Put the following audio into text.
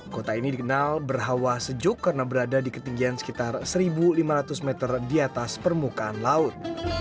kota ini dikenal berhawa sejuk karena berada di ketinggian sekitar satu lima ratus meter di atas permukaan laut